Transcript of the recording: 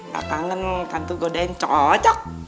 gak kangen sama tante godein cocok